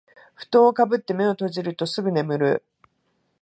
ふとんをかぶって目を閉じるとすぐ眠る